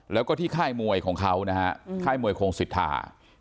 แล้วก็ที่ค่ายมวยของเขานะฮะค่ายมวยโคงสิทธา